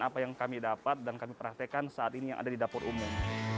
apa yang kami dapat dan kami praktekkan saat ini yang ada di dapur umum